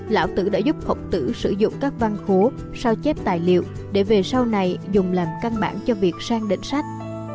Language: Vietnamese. lão tử đã giúp khổng tử sử dụng các văn khố sao chép tài liệu để về sau này dùng làm căn bản cho việc sang định sách